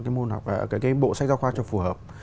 cái bộ sách giáo khoa cho phù hợp